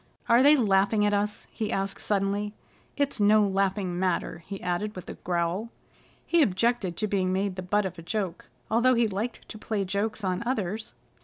"Are they laughing at us?" he asked suddenly. "It's no laughing matter," he added with a growl. He objected to being made the butt of a joke, although he liked to play jokes on others.